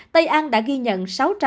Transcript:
tây an đã ghi nhận